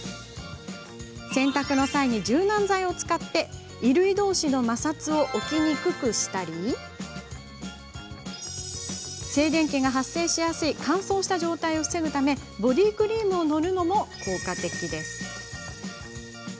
洗濯の際に柔軟剤を使って衣類どうしの摩擦を起きにくくしたり静電気が発生しやすい乾燥した状態を防ぐためボディークリームを塗るのも効果的です。